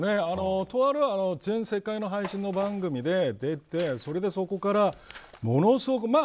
とある全世界配信の番組で出てそこからものすごく。